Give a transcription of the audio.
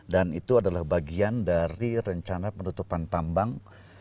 dan itu adalah bagian dari rencana penutupan tambang